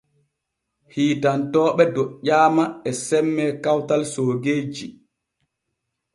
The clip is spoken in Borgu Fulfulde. Hiitantooɓe doƴƴaama e semme kawtal soogeeji.